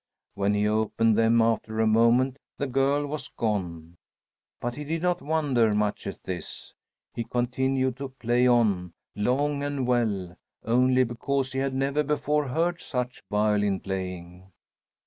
When he opened them after a moment, the girl was gone. But he did not wonder much at this. He continued to play on, long and well, only because he had never before heard such violin playing.